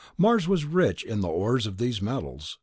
Mars was rich in the ores of these metals